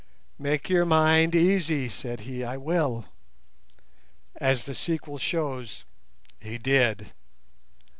"'Make your mind easy,' said he; 'I will.' As the sequel shows, he did!